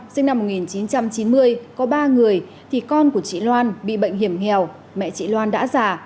sinh năm một nghìn chín trăm chín mươi có ba người thì con của chị loan bị bệnh hiểm nghèo mẹ chị loan đã già